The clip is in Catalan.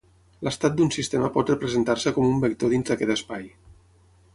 L'estat d'un sistema pot representar-se com un vector dins d'aquest espai.